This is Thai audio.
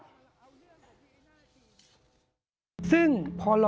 แล้วเอาเรื่องของที่น่าจะดี